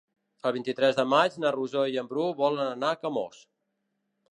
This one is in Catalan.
El vint-i-tres de maig na Rosó i en Bru volen anar a Camós.